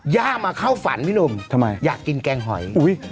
ย่ามาเข้าฝันพี่หนุ่มทำไมอยากกินแกงหอย